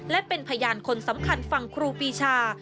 และเป็นพยานคนสำคัญฝั่งครูปีชา